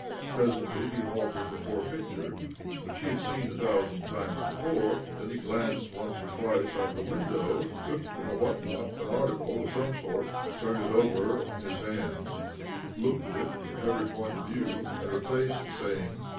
Presently he halted before a picture which OBLOMOV 45 he had seen a thousand times before ; then he glanced once or twice out of the window, took from a whatnot an article of some sort, turned it over in his hands, looked at it from every point of view, and replaced the same.